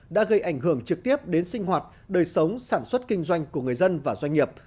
đã gây ảnh hưởng trực tiếp đến sinh hoạt đời sống sản xuất kinh doanh của người dân và doanh nghiệp